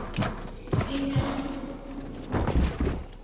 ¿Din que non?